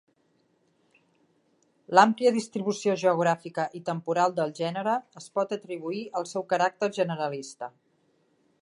L'àmplia distribució geogràfica i temporal del gènere es pot atribuir al seu caràcter generalista.